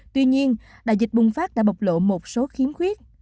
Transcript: tuy nhiên đại dịch bùng phát đã bộc lộ một số khiếm khuyết